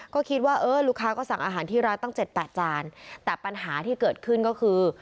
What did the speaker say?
ก็คิดว่าเออลูกค้าก็สั่งอาหารที่ร้านตั้งเจ็ดแปดจานแต่ปัญหาที่เกิดขึ้นก็คือ